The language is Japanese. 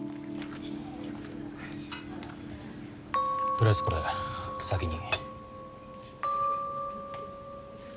とりあえずこれ先に。